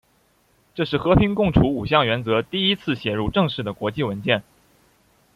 这是和平共处五项原则第一次写入正式的国际文件。